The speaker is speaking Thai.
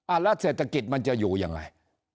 แล้วเศรษฐกิจมันจะอยู่ยังไง